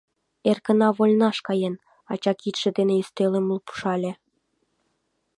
— Эргына вольнаш каен! — ача кидше дене ӱстелым лупшале.